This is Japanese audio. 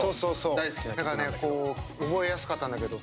だから覚えやすかったんだけど